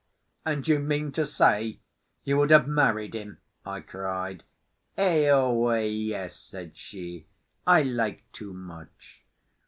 "And you mean to say you would have married him?" I cried. "Ioe, yes," said she. "I like too much!"